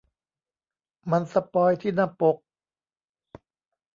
มันสปอยล์ที่หน้าปก